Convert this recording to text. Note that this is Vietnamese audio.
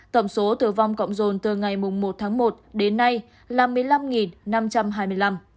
tổng số tử vong cộng dồn từ ngày một tháng một đến nay là một mươi năm năm trăm hai mươi năm